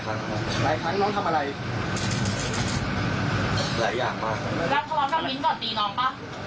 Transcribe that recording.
แล้วพร้อมกับมิ้นก่อนตีน้องป่ะ